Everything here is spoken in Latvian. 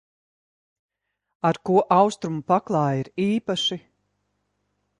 Ar ko austrumu paklāji ir īpaši?